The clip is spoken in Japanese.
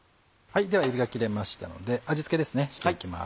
ではえびが切れましたので味付けですねしていきます。